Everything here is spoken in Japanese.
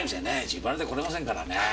自腹で来れませんからねぇ。